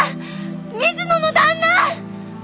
水野の旦那！